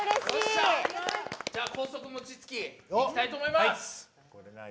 高速餅つきいきたいと思います。